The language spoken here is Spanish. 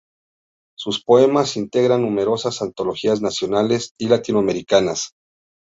Sus poemas integran numerosas antologías nacionales y latinoamericanas.